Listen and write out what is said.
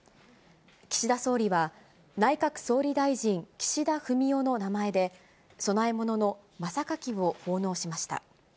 岸田総理は、内閣総理大臣・岸田文雄の名前で、供え物の真さかきを奉納しました。